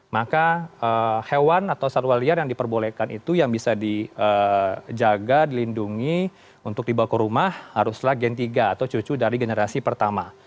maka hewan atau satwa liar yang diperbolehkan itu yang bisa dijaga dilindungi untuk dibawa ke rumah haruslah gen tiga atau cucu dari generasi pertama